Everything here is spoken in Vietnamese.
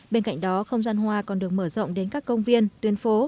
bên cạnh đó không gian hoa còn được mở rộng đến các công viên tuyến phố